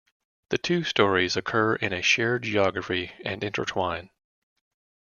The two stories occur in a shared geography and intertwine.